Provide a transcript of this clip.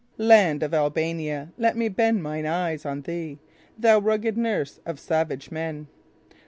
"Land of Albania! let me bend mine eyes On thee; thou rugged nurse of savage men!"